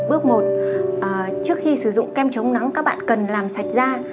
bước một trước khi sử dụng kem chống nắng các bạn cần làm sạch ra